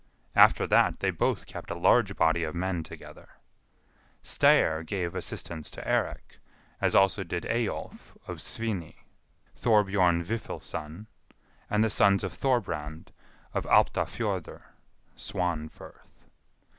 After that they both kept a large body of men together. Styr gave assistance to Eirik, as also did Eyjolf, of Sviney, Thorbjorn Vifilsson, and the sons of Thorbrand, of Alptafjordr (Swanfirth).